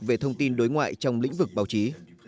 về thông tin đối ngoại trong lĩnh vực báo chí